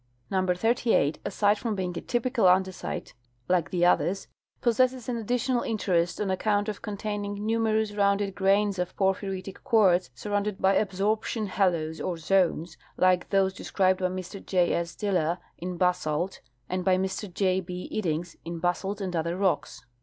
Number 38, aside from being a typical andesite like the others, possesses an additional interest on account of containing numer ous rounded grains of i^orphyritic quartz surrounded by absorp tion halos or zones, like those described by Mr J. S. Diller in basalt t and by Mr J. P. Iddings in basalt and other rocks.'